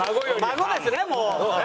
孫ですねもう。